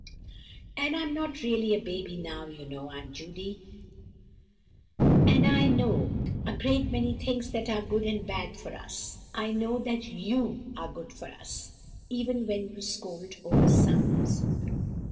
"And I'm not really a baby now, you know, Aunt Judy! And I do know a great many things that are good and bad for us. I know that you are good for us, even when you scold over sums."